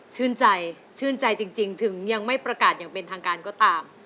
ชื่นใจจริงถึงไม่ประกาศเป็นทางการก็ตาม